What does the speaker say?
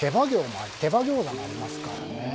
手羽餃子もありますからね。